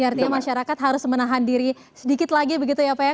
artinya masyarakat harus menahan diri sedikit lagi begitu ya pak ya